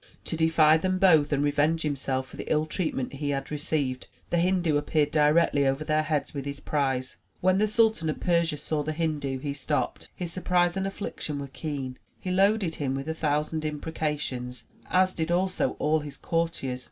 To defy them both and revenge himself for the ill treatment he had received, the Hindu appeared directly over their heads with his prize. When the Sultan of Persia saw the Hindu he stopped. His surprise and affliction were keen. He loaded him with a thousand imprecations, as did also all his courtiers.